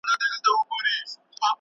ړوند سړي د ږیري سره ډېري مڼې خوړلې وې.